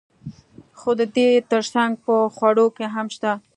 خو د دې ترڅنګ په خوړو کې هم شته.